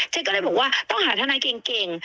ก็เลยบอกว่าต้องหาทนายเก่ง